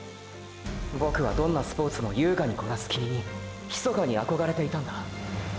ボクはどんなスポーツも優雅にこなすキミに密かにあこがれていたんだ。